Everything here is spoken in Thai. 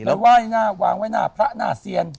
แล้วไหว้หน้าวางไว้หน้าพระหน้าเซียน